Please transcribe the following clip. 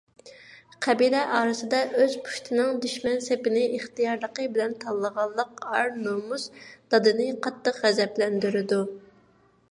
قەبىلە ئارىسىدا ئۆز پۇشتىنىڭ دۈشمەن سېپىنى ئىختىيارلىقى بىلەن تاللىغانلىق ئار - نومۇس دادىنى قاتتىق غەزەپلەندۈرىدۇ.